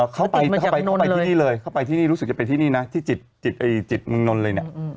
เข้าไปถีนี้เลยเข้าไปที่นี่รู้สึกจะเป็นที่นี่นะที่จิตจิตมึงนโนน์เลยนะ